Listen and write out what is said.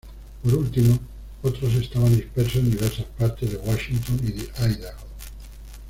Por último, otros estaban dispersos en diversas partes de Washington y Idaho.